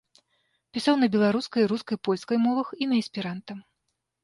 Пісаў на беларускай, рускай, польскай мовах і на эсперанта.